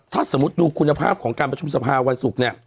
ถ้าสมมติดูคุณภาพของการประชุมทรภาวนศุกร์